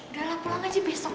udah lah pulang aja besok